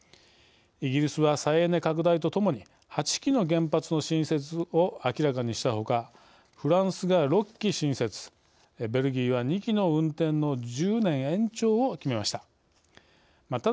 イギリスは再エネ拡大とともに８基の原発の新設を明らかにしたほかフランスが６基新設ベルギーは２基の運転の１０年延長を決めました。